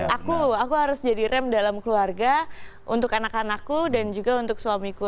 aku aku harus jadi rem dalam keluarga untuk anak anakku dan juga untuk suamiku